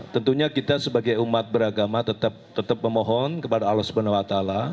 tentunya kita sebagai umat beragama tetap memohon kepada allah swt